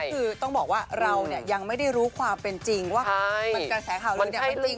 ก็คือต้องบอกว่าเราเนี่ยยังไม่ได้รู้ความเป็นจริงว่ามันกระแสข่าวลืมเนี่ยไม่จริงไม่จริง